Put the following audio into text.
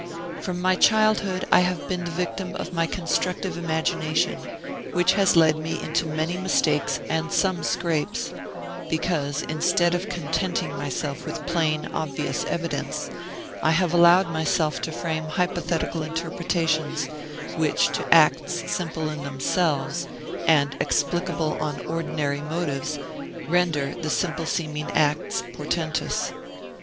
From my childhood I have been the victim of my constructive imagination, which has led me into many mistakes and some scrapes; because, instead of contenting myself with plain, obvious evidence, I have allowed myself to frame hypothetical interpretations, which, to acts simple in themselves, and explicable on ordinary motives, render the simple seeming acts portentous.